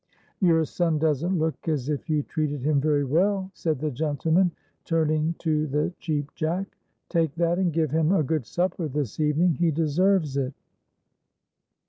"Your son doesn't look as if you treated him very well," said the gentleman, turning to the Cheap Jack. "Take that, and give him a good supper this evening. He deserves it."